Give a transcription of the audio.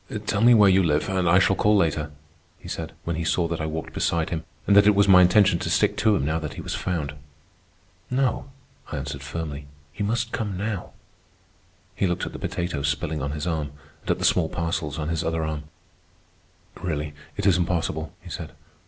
"Tell me where you live, and I shall call later," he said, when he saw that I walked beside him and that it was my intention to stick to him now that he was found. "No," I answered firmly. "You must come now." He looked at the potatoes spilling on his arm, and at the small parcels on his other arm. "Really, it is impossible," he said.